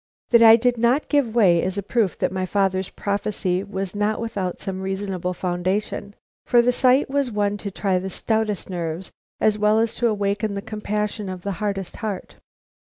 That I did not give way is a proof that my father's prophecy was not without some reasonable foundation; for the sight was one to try the stoutest nerves, as well as to awaken the compassion of the hardest heart.